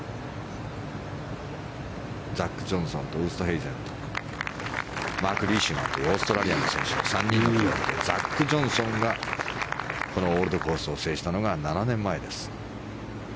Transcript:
ザック・ジョンソンとウーストヘイゼンとマーク・リーシュマンとオーストラリアの選手と３人がいてザック・ジョンソンがこのオールドコースを制したのが７年前です。